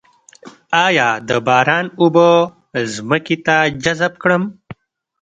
آیا د باران اوبه ځمکې ته جذب کړم؟